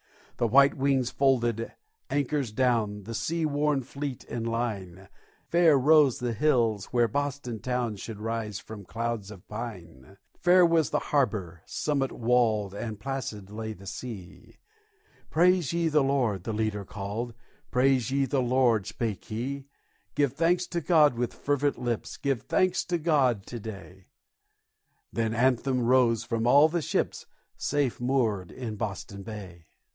The white wings folded, anchors down, The sea worn fleet in line, Fair rose the hills where Boston town Should rise from clouds of pine; Fair was the harbor, summit walled, And placid lay the sea. "Praise ye the Lord," the leader called; "Praise ye the Lord," spake he. "Give thanks to God with fervent lips, Give thanks to God to day," The anthem rose from all the ships, Safe moored in Boston Bay.